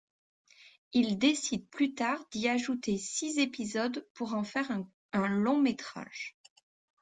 Il décide plus tard d'y ajouter six épisodes pour en faire un long-métrage.